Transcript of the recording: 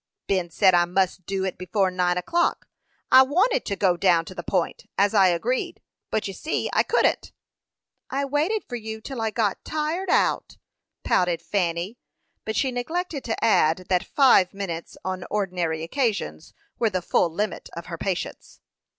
"Ben said I must do it before nine o'clock. I wanted to go down to the Point, as I agreed, but you see I couldn't." "I waited for you till I got tired out," pouted Fanny; but she neglected to add that five minutes on ordinary occasions were the full limit of her patience.